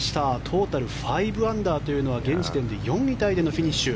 トータル５アンダーは現時点で４位タイでのフィニッシュ。